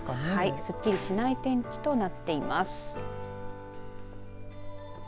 すっきりしない天気となっています。